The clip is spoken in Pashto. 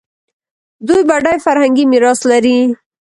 دوی بډایه فرهنګي میراث لري.